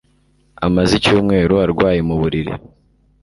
Amaze icyumweru arwaye mu buriri